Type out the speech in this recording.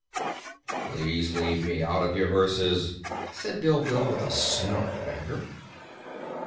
"Please leave me out of your verses," said Bilbil with a snort of anger.